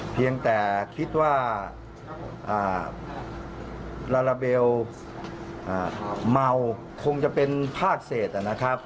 เพียงแต่คิดว่าลาลาเบลเมาคงจะเป็นภาคเศษนะครับ